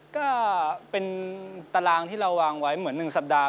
ก็เป็นตารางที่เราวางไว้เหมือน๑สัปดาห์